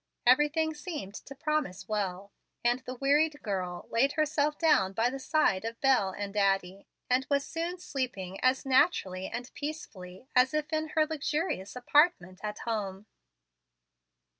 Everything seemed to promise well, and the wearied girl laid herself down by the side of Bel and Addie, and was soon sleeping as naturally and peacefully as if in her luxurious apartment at home.